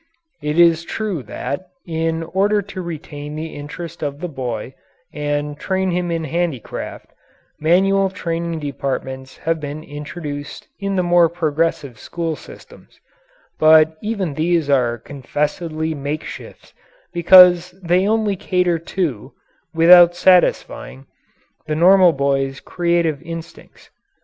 It is true that, in order to retain the interest of the boy and train him in handicraft, manual training departments have been introduced in the more progressive school systems, but even these are confessedly makeshifts because they only cater to, without satisfying, the normal boy's creative instincts.